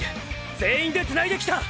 全員でつないできた！！